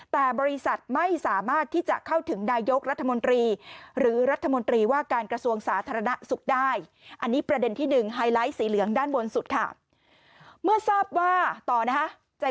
แต่บริษัทไม่สามารถที่จะเข้าถึงนายกรัฐมนตรีหรือรัฐมนตรีว่าการกระทรวงสาธารณสุขได้